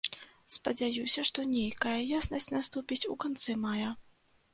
Спадзяюся, што нейкая яснасць наступіць у канцы мая.